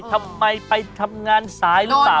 ทำไมไปทำงานสายหรือเปล่า